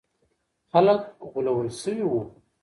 خلګ غولول سوي وو.